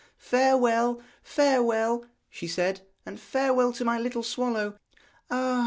'Farewell, farewell,' she said 'and farewell to my little swallow. Ah!